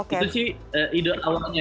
itu sih idillah awalnya ya